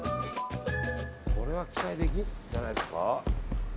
これは期待できるんじゃないですか？